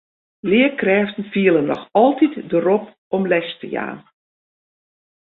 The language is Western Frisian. Learkrêften fiele noch altyd de rop om les te jaan.